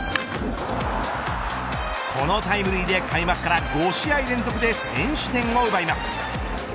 このタイムリーで開幕から５試合連続で先取点を奪います。